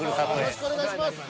よろしくお願いします。